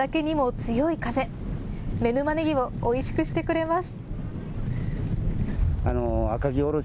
妻沼ねぎをおいしくしてくれます。